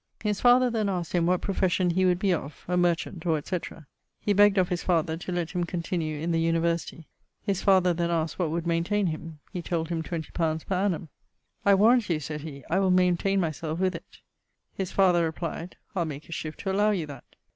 His father then asked him what profession he would be of, a merchant or etc.? He begd of his father to lett him continue in the University. His father then asked what would maintain him. He told him 20 li. per annum: 'I warrant you,' sayd he, 'I will maintaine myselfe with it.' His father replyed 'I'le make a shift to allow you that.'